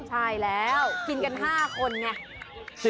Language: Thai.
ใช่แล้วกินกัน๕คนไง